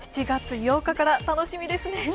７月８日から楽しみですね。